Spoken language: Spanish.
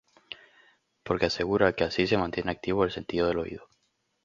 Porque asegura que así se mantiene activo el sentido del oído.